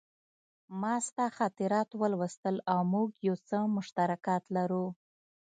ما ستا خاطرات ولوستل او موږ یو څه مشترکات لرو